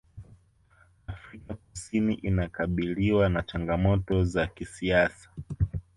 afrika kusini inakabiliwa na changamoto za kisiasa